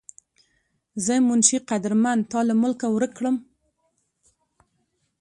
زۀ منشي قدرمند تا لۀ ملکه ورک کړم